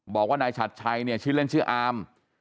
บอกว่านายฉัดชัยเนี่ยชื่อเล่นชื่ออาม